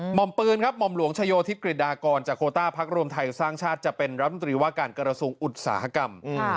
อมปืนครับหม่อมหลวงชโยธิกฤดากรจากโคต้าพักรวมไทยสร้างชาติจะเป็นรัฐมนตรีว่าการกระทรวงอุตสาหกรรม